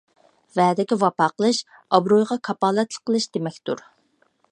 ۋەدىگە ۋاپا قىلىش — ئابرۇيغا كاپالەتلىك قىلىش دېمەكتۇر.